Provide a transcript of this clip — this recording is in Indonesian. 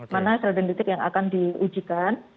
mana sel dendritik yang akan diujikan